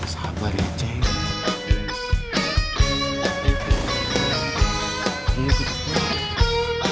sabar ya cik